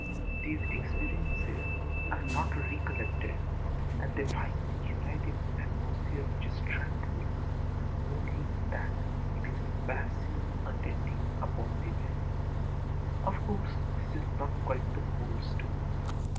These experiences are not ârecollected,â and they finally unite in an atmosphere which is âtranquilâ only in that it is a passive attending upon the event. Of course this is not quite the whole story.